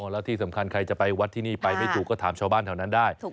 แล้วที่สำคัญใครจะไปวัดที่นี่ไปไม่ถูกก็ถามชาวบ้านแถวนั้นได้